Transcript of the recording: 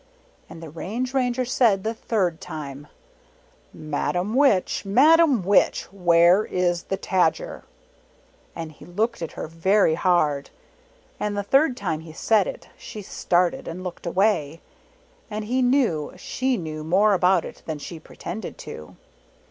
And the Range Ranger said the third time, " Ma dam Witch ! Madam Witch ! Where is the Tajer ?" And he looked at her very hard. And the third time he said it, she started, and looked away ; and he knew she knew more about it than she pretended to.